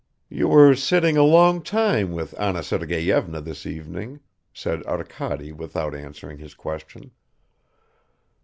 "You were sitting a long time with Anna Sergeyevna this evening," said Arkady without answering his question.